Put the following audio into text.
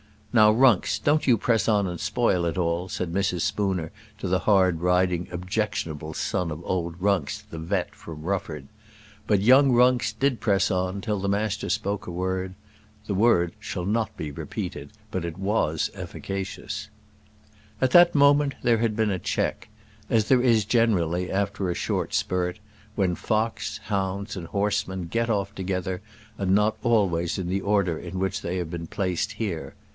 "Now, Runks, don't you press on and spoil it all," said Mrs. Spooner to the hard riding, objectionable son of old Runks the vet from Rufford. But young Runks did press on till the Master spoke a word. The word shall not be repeated, but it was efficacious. At that moment there had been a check, as there is generally after a short spurt, when fox, hounds, and horsemen get off together, and not always in the order in which they have been placed here.